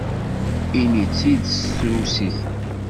Ini-tt-id s trusit!